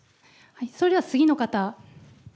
それでは次の方。